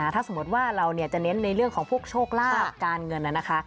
ถ้าสมมติว่าเราจะเน้นในเรื่องของพวกโชคลาภการเงินนะคะ